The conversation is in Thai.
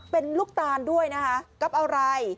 เป็นลูกตาลด้วยนะคะก๊อปอะไร